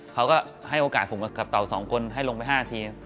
เขาก็ให้โอกาสผมกับเต่า๒คนให้ลงไป๕นาที